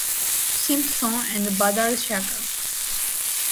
Simpson and Badal Sarkar.